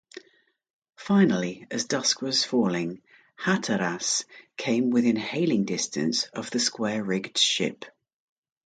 Finally, as dusk was falling, "Hatteras" came within hailing distance of the square-rigged ship.